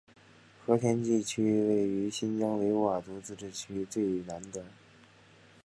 和田地区位于新疆维吾尔自治区最南端。